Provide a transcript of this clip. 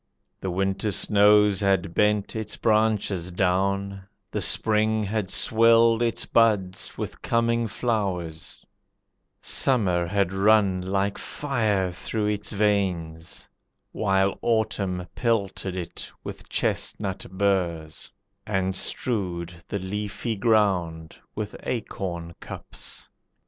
The winter snows had bent its branches down, The spring had swelled its buds with coming flowers, Summer had run like fire through its veins, While autumn pelted it with chestnut burrs, And strewed the leafy ground with acorn cups.